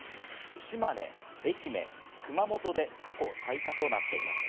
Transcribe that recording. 島根、愛媛、熊本で過去最多となっています。